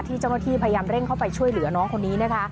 เจ้าหน้าที่พยายามเร่งเข้าไปช่วยเหลือน้องคนนี้นะคะ